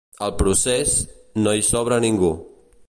Al procés, no hi sobra ningú.